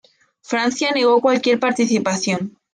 Francia negó cualquier participación.